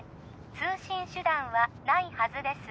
通信手段はないはずです